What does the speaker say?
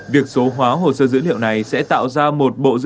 việc số hóa hồ sơ dữ liệu này sẽ tạo ra một bộ dữ liệu